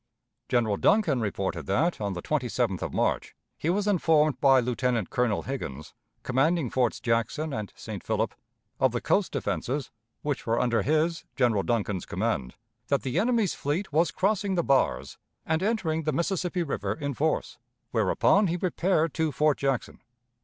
General Duncan reported that, on the 27th of March, he was informed by Lieutenant Colonel Higgins, commanding Forts Jackson and St. Philip, of the coast defenses, which were under his (General Duncan's) command, that the enemy's fleet was crossing the bars, and entering the Mississippi River in force; whereupon he repaired to Fort Jackson.